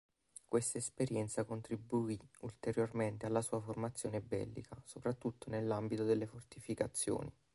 Questa esperienza contribuì ulteriormente alla sua formazione bellica, soprattutto nell'ambito delle fortificazioni.